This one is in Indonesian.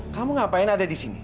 kamu ngapain ada di sini